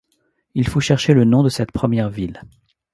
Il faut chercher le nom de cette première ville.